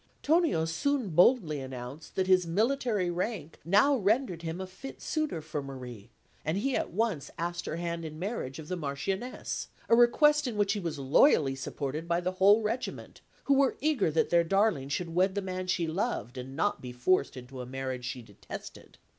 Tonio soon boldly announced that his military rank now rendered him a fit suitor for Marie; and he at once asked her hand in marriage of the Marchioness, a request in which he was loyally supported by the whole Regiment, who were eager that their darling should wed the man she loved, and not be forced into a marriage she detested.